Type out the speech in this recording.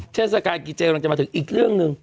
เทศกาลกินเจกำลังจะมาถึงอีกเรื่องหนึ่ง